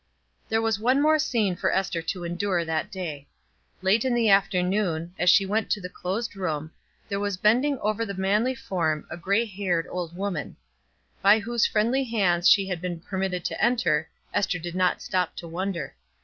There was one more scene for Ester to endure that day. Late in the afternoon, as she went to the closed room, there was bending over the manly form a gray haired old woman. By whose friendly hands she had been permitted to enter, Ester did not stop to wonder.